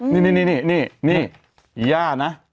นี่นี่นี่นี่นี่ย่านะ